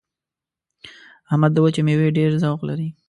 احمد د وچې مېوې ډېر ذوق لري.